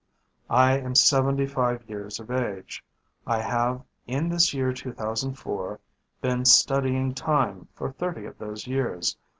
"I am seventy five years of age. I have, in this year 2004, been studying 'time' for thirty of those years.